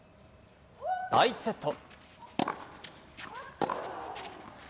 第１セット。